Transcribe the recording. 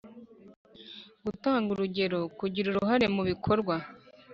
gutanga urugero, kugira uruhare mu bikorwa